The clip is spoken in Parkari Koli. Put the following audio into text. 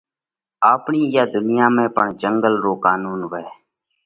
آپڻِي اِيئا ڌُنيا ۾ پڻ جنڳل رو قانُونَ وئھ۔